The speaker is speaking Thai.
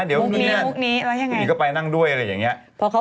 เดี๋ยวนี่ก็ไปนั่งด้วย